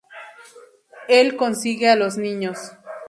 Él consigue a los niños".